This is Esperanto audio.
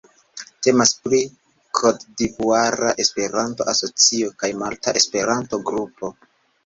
Temas pri Kotdivuara Esperanto-Asocio kaj Malta Esperanto-Grupo.